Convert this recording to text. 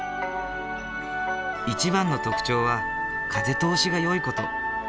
一番の特徴は風通しがよい事。